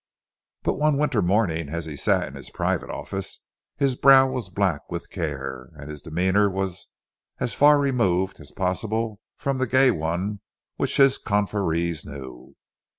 But one winter morning as he sat in his private office his brow was black with care, and his demeanour was as far removed as possible from the gay one which his confreres knew.